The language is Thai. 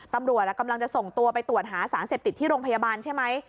ตำรวจกำลังจะส่งตัวไปตรวจหาสารเสพติดที่โรงพยาบาลใช่ไหม